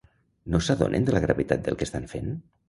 No s’adonen de la gravetat del que estan fent?.